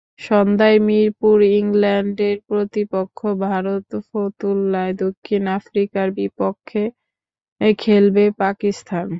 সন্ধ্যায় মিরপুরে ইংল্যান্ডের প্রতিপক্ষ ভারত, ফতুল্লায় দক্ষিণ আফ্রিকার বিপক্ষে খেলবে পাকিস্তান।